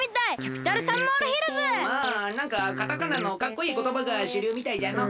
まあなんかカタカナのかっこいいことばがしゅりゅうみたいじゃの。